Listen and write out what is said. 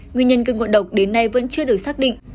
nguyên nhân gây ngộ độc đến nay vẫn chưa được xác định